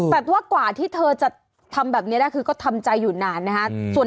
แต่ว่ากว่าที่เธอจะทำแบบนี้ได้คือก็ทำใจอยู่นานนะฮะ